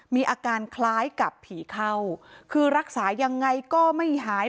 มีอาการคล้ายกับผีเข้าคือรักษายังไงก็ไม่หาย